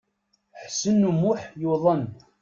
Ḥsen U Muḥ yuḍen.